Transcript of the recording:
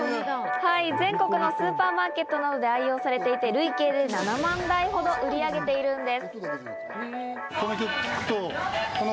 全国のスーパーマーケットで愛用されていて、累計で７万台ほど売り上げているんです。